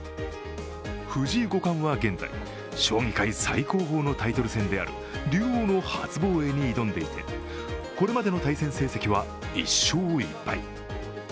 藤井五冠は現在、将棋界最高峰のタイトル戦である竜王の初防衛に挑んでいて、これまでの対戦成績は１勝１敗。